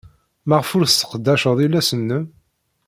Maɣef ur tesseqdaceḍ iles-nnem?